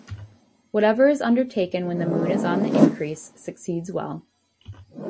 Whatever is undertaken when the moon is on the increase succeeds well.